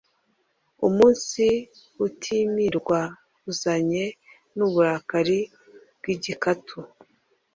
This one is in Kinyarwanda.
umunsi utimirwa, uzanye n’uburakari bw’igikatu,